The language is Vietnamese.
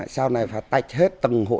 sau này phải tách hết tầng hộ